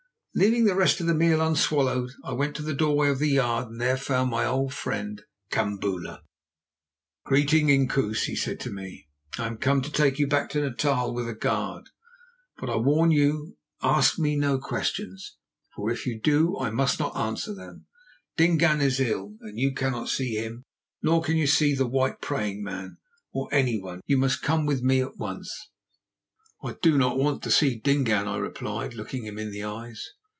Leaving the rest of the meal unswallowed, I went to the doorway of the yard and there found my old friend, Kambula. "Greeting, Inkoos," he said to me; "I am come to take you back to Natal with a guard. But I warn you to ask me no questions, for if you do I must not answer them. Dingaan is ill, and you cannot see him, nor can you see the white praying man, or anyone; you must come with me at once." "I do not want to see Dingaan," I replied, looking him in the eyes.